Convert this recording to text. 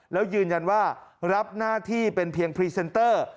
แล้วยืนยันว่ารับหน้าที่เป็นเพียงพรีเซนเตอร์